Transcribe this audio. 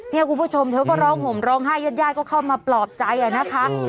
คุณผู้ชมเธอก็ร้องห่มร้องไห้ยาดก็เข้ามาปลอบใจนะคะ